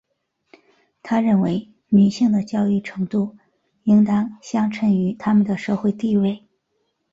她认为女性的教育程度应当相称于她们的社会地位。